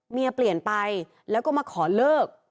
เปลี่ยนไปแล้วก็มาขอเลิก